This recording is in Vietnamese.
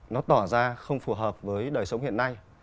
nó tỏ ra không phù hợp với đời sống hiện nay